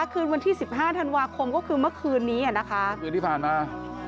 คืนวันที่๑๕ธันวาคมก็คือเมื่อคืนนี้นะคะคืนที่ผ่านมา